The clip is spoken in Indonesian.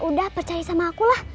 udah percaya sama akulah